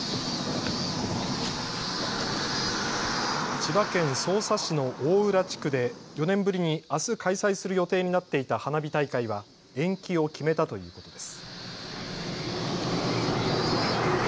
千葉県匝瑳市の大浦地区で４年ぶりにあす開催する予定になっていた花火大会は延期を決めたということです。